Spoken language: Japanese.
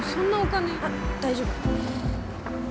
あっ、大丈夫。